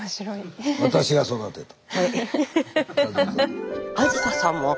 「私が育てた」。